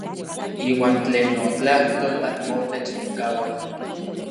Iuan tlen notlajtol anmotech mokaua.